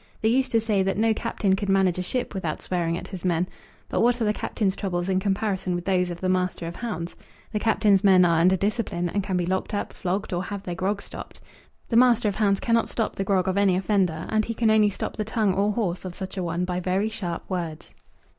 They used to say that no captain could manage a ship without swearing at his men. But what are the captain's troubles in comparison with those of the master of hounds? The captain's men are under discipline, and can be locked up, flogged, or have their grog stopped. The master of hounds cannot stop the grog of any offender, and he can only stop the tongue, or horse, of such an one by very sharp words.